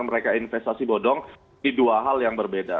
mereka investasi bodong di dua hal yang berbeda